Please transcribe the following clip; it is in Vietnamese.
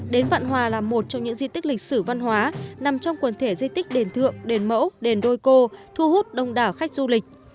đến vạn hòa là một trong những di tích lịch sử văn hóa nằm trong quần thể di tích đền thượng đền mẫu đền đôi cô thu hút đông đảo khách du lịch